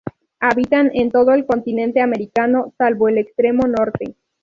Habitan en todo el continente americano, salvo el extremo norte.